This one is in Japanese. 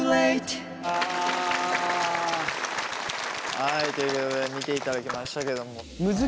はいということで見ていただきましたけども。